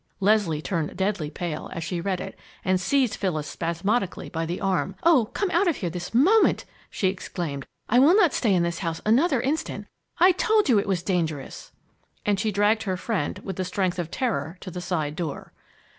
Leslie turned deadly pale as she read it and seized Phyllis spasmodically by the arm. "Oh, come out of here this moment!" she exclaimed. "I will not stay in this house another instant. I told you it was dangerous!" and she dragged her friend, with the strength of terror to the side door.